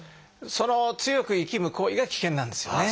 その強くいきむ行為が危険なんですよね。